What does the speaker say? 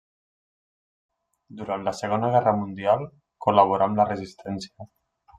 Durant la Segona Guerra Mundial col·laborà amb la Resistència.